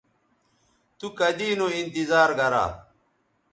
تو کدی نو انتظار گرا